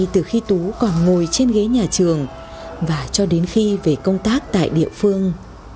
từ khi tú còn ngồi trên ghế nhà trường và cho đến khi về công tác tại địa phương